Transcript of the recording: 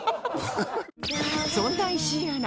そんな石井アナ